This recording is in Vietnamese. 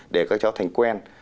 để các cháu thành quen